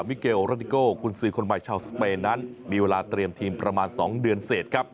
มิเกลโรติโกกุญสือคนใหม่ชาวสเปนนั้นมีเวลาเตรียมทีมประมาณ๒เดือนเสร็จครับ